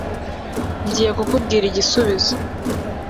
ngiye kukubwira igisubizo